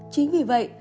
chính vì vậy